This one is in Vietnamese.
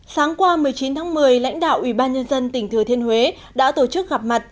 sáng qua một mươi chín tháng một mươi lãnh đạo ủy ban nhân dân tỉnh thừa thiên huế đã tổ chức gặp mặt